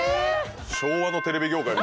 昭和のテレビ業界や。